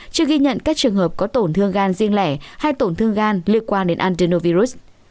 chưa ghi nhận các trường hợp có tổn thương gan riêng lẻ hay tổn thương gan liên quan đến andernovirus